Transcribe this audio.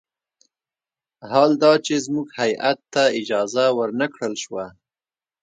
حال دا چې زموږ هیات ته اجازه ور نه کړل شوه.